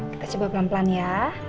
kita coba pelan pelan ya